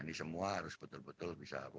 ini semua harus betul betul bisa